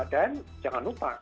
dan jangan lupa